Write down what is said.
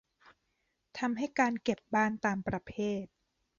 ทำให้การเก็บบ้านตามประเภท